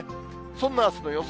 そんなあすの予想